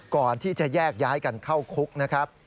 ก่อนที่จะแยกย้ายกันเข้าคุกนะครับ